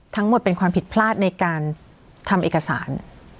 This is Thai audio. ทั้งหมดเป็นความผิดพลาดในการทำเอกสาร